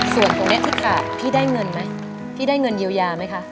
ส่วนตรงนี้พี่กาดพี่ได้เงินไหมพี่ได้เงินเยียวยาไหมคะ